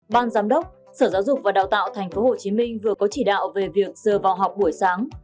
ban giám đốc sở giáo dục và đào tạo tp hcm vừa có chỉ đạo về việc giờ vào học buổi sáng